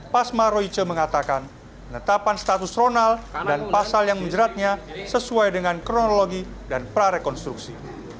pasma royce mengatakan netapan status ronald dan pasal yang menjeratnya sesuai dengan kronologi dan prarekonstruksi